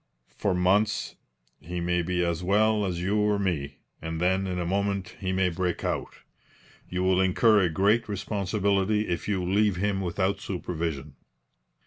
For months he may be as well as you or me, and then in a moment he may break out. You will incur a great responsibility if you leave him without supervision.'